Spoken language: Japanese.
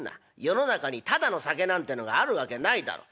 世の中にタダの酒なんてのがあるわけないだろ。